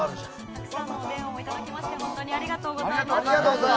たくさんのお電話いただきまして本当にありがとうございます。